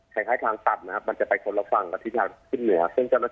คล้ายทางตัดนะครับมันจะไปคนละฝั่งกับที่จะขึ้นเหนือ